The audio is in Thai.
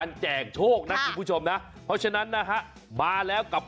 การแจกโชคนะครับคุณผู้ชมนะเพราะฉะนั้นมาแล้วกับ